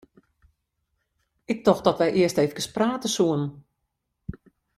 Ik tocht dat wy earst eefkes prate soene.